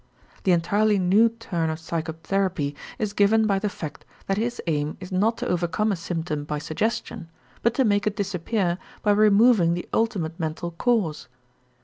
The entirely new turn of psychotherapy is given by the fact that his aim is not to overcome a symptom by suggestion but to make it disappear by removing the ultimate mental cause.